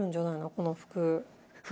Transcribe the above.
この服。